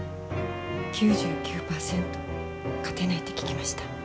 ９９％勝てないって聞きました。